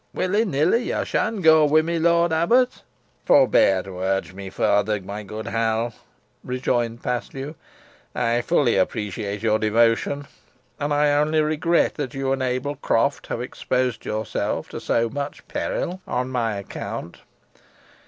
Willy nilly, yo shan go wi' meh, lort abbut!" "Forbear to urge me further, my good Hal," rejoined Paslew. "I fully appreciate your devotion; and I only regret that you and Abel Croft have exposed yourselves to so much peril on my account.